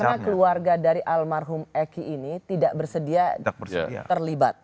karena keluarga dari almarhum eki ini tidak bersedia terlibat